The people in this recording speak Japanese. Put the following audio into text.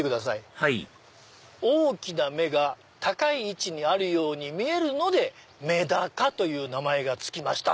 はい「大きな目が高いいちにあるようにみえるのでメダカという名前がつきました」。